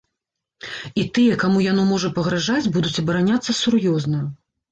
І тыя, каму яно можа пагражаць, будуць абараняцца сур'ёзна.